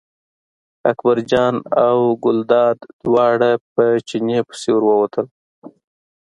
اکبرجان او ګلداد دواړه په چیني پسې ور ووتل.